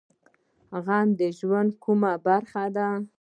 غم د ژوند کومه برخه ده؟